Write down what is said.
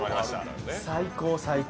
最高、最高。